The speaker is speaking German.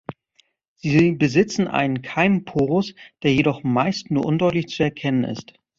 Sie besitzen einen Keimporus, der jedoch meist nur undeutlich zu erkennen ist.